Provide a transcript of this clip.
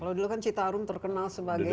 kalau dulu kan citarun terkenal sebagai sungai